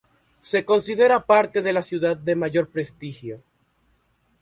Se considera la parte de la ciudad de mayor prestigio.